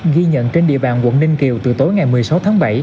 ghi nhận trên địa bàn quận ninh kiều từ tối ngày một mươi sáu tháng bảy